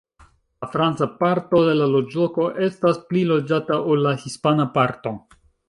La franca parto de la loĝloko estas pli loĝata ol la hispana parto.